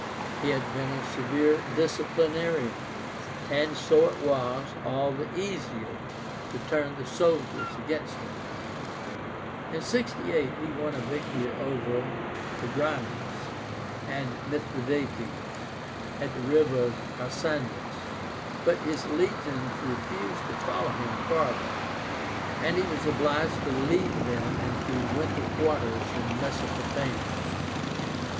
He had been a severe disciplinarian, and so it was all the easier to turn the soldiers against him. In 68 he won a victory over Tigránes and Mithradátes, at the river Arsanias; but his legions refused to follow him farther, and he was obliged to lead them into winter quarters in Mesopotamia.